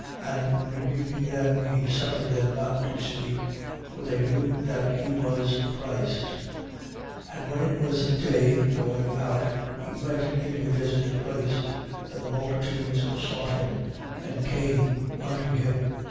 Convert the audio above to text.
And rebuking them he suffered them not to speak; for they knew that he was Christ. 4:42. And when it was day, going out he went into a desert place: and the multitudes sought him, and came unto him.